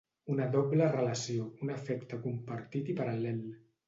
Una doble relació, un afecte compartit i paral·lel.